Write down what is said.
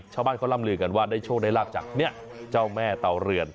ชาวบ้านเขาร่ำลือกันว่าได้โชคได้ลาบจากเจ้าแม่เตาเรือน